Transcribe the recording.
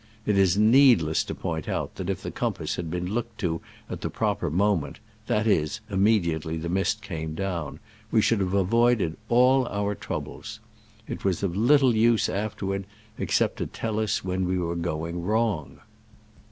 It is needless to point out that if the compass had been looked to at the proper moment — that is, immediately the mist came down — we should have avoid ed all our troubles. It was of little use afterward, except to tell us when we were going wrong.